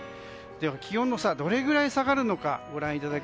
では、気温はどれぐらい下がるのか。